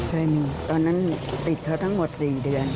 ใช่มีตอนนั้นติดเขาทั้งหมด๔เดือน